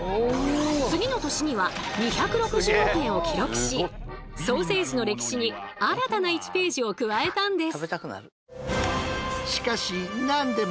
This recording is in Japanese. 次の年には２６０億円を記録しソーセージの歴史に新たな１ページを加えたんです。